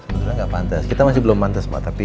sebenernya gak pantes kita masih belum pantes ma tapi ya